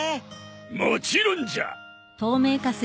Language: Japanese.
もちろんじゃ。